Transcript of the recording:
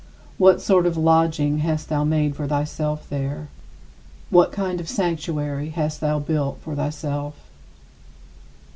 What sort of lodging hast thou made for thyself there? What kind of sanctuary hast thou built for thyself?